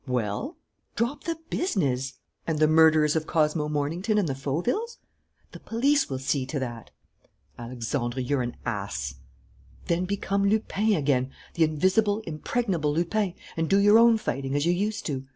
"Well?" "Drop the business." "And the murderers of Cosmo Mornington and the Fauvilles?" "The police will see to that." "Alexandre, you're an ass." "Then become Lupin again, the invisible, impregnable Lupin, and do your own fighting, as you used to.